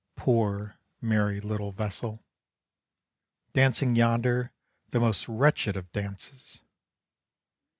Poor, merry, little vessel, Dancing yonder the most wretched of dances!